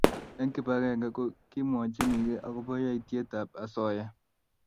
eng kibagenge ko kimwachinigei akoba yaitiet ab asoya